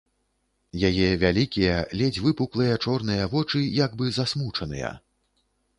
Яе вялікія, ледзь выпуклыя, чорныя вочы як бы засмучаныя.